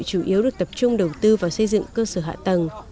chủ yếu được tập trung đầu tư vào xây dựng cơ sở hạ tầng